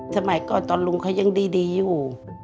สมัยก่อนตอนลุงเขายังดีอยู่